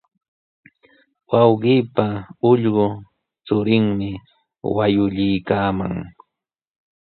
Wawqiipa ullqu churinmi wallkiykaaman.